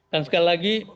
dan sekali lagi